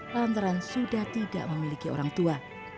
lantaran sudah tidak memiliki orang tua